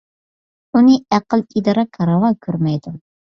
ئۇنى ئەقىل - ئىدراك راۋا كۆرمەيدۇ.